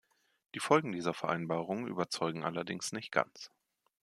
Die Folgen dieser Vereinbarung überzeugen allerdings nicht ganz.